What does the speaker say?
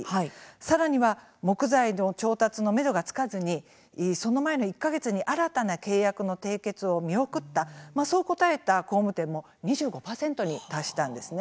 さらには木材の調達のめどがつかずにその前の１か月に新たな契約の締結を見送ったそう答えた工務店も２５％に達したんですね。